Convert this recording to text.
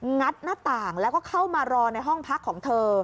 งัดหน้าต่างแล้วก็เข้ามารอในห้องพักของเธอ